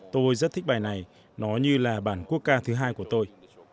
tôi rất thích bài này nó như là bản quốc ca thứ hai của tôi